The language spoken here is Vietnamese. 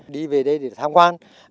đi về đây để tham quan